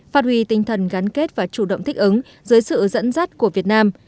phát huy tinh thần gắn kết và chủ động thích ứng dưới sự dẫn dắt của việt nam